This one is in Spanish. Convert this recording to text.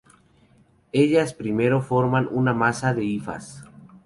Ellas primero forman una masa de hifas.